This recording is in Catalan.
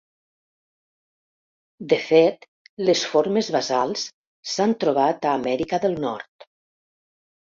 De fet les formes basals s'han trobat a Amèrica del Nord.